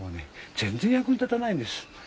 全然、役に立たないんです。